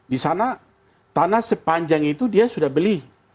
di sana tanah sepanjang itu dia sudah beli